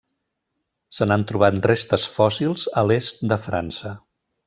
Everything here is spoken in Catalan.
Se n'han trobat restes fòssils a l'est de França.